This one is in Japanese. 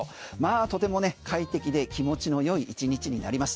とても快適で気持ちの良い１日になります。